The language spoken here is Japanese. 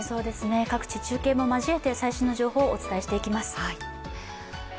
各地中継も交えて、最新のニュースをお伝えしていきます。